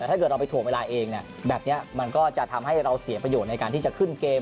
แต่ถ้าเกิดเราไปถ่วงเวลาเองแบบนี้มันก็จะทำให้เราเสียประโยชน์ในการที่จะขึ้นเกม